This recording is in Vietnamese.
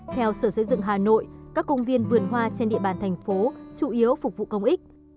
theo sở xây dựng hà nội các công viên vườn hoa trên địa bàn thành phố chủ yếu phục vụ công ích